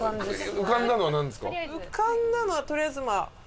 浮かんだのはとりあえずは。